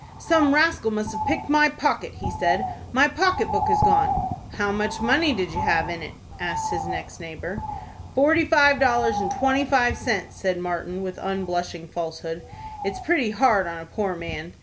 "Some rascal must have picked my pocket," he said. "My pocket book is gone." "How much money did you have in it?" asked his next neighbor. "Forty five dollars and twenty five cents," said Martin, with unblushing falsehood. "It's pretty hard on a poor man."